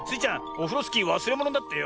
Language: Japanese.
オフロスキーわすれものだってよ。